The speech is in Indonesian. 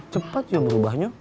cepet ya berubahnya